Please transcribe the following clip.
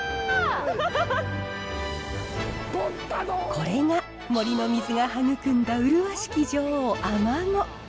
これが森の水が育んだ麗しき女王アマゴ。